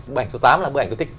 bức ảnh số tám là bức ảnh tôi thích